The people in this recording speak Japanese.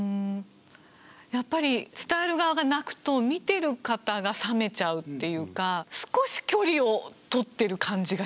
やっぱり伝える側が泣くと見てる方が冷めちゃうっていうか少し距離を取ってる感じがします。